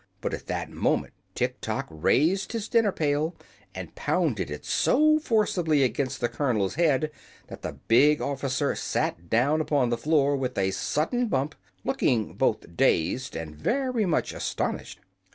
But at that moment Tiktok raised his dinner pail and pounded it so forcibly against the colonel's head that the big officer sat down upon the floor with a sudden bump, looking both dazed and very much astonished.